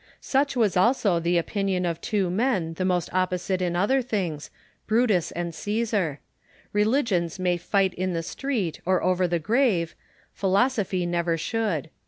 Such was also the opinion of two men the most opposite in other things, Brutus and Coesar. Religions may fight in the street, or over the grave : Philosophy never should.